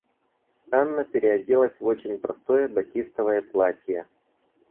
Анна переоделась в очень простое батистовое платье.